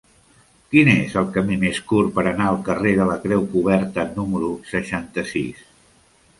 Quin és el camí més curt per anar al carrer de la Creu Coberta número seixanta-sis?